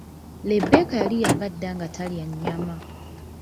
Lebbeka yali yava dda nga talya nnyama.